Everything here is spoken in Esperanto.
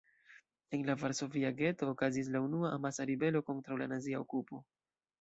En la varsovia geto okazis la unua amasa ribelo kontraŭ la nazia okupo.